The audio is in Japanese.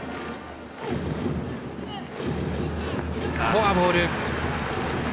フォアボール。